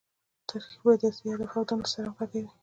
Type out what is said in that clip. تشکیل باید د اصلي اهدافو او دندو سره همغږی وي.